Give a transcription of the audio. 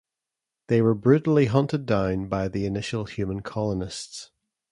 They were brutally hunted down by the initial human colonists.